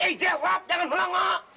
tidak ada nim farming